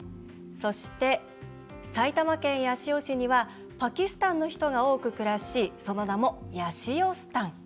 そして、埼玉県八潮市にはパキスタンの人が多く暮らすその名もヤシオスタン。